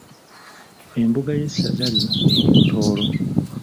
Embuga y’Essaza lino eri Butoolo